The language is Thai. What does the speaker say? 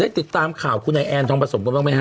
ได้ติดตามข่าวคุณไอแอนทองประสงค์กันบ้างไหมฮะ